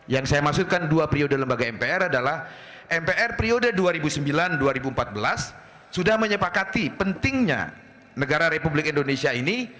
yang saya maksudkan dua periode lembaga mpr adalah mpr periode dua ribu sembilan dua ribu empat belas sudah menyepakati pentingnya negara republik indonesia ini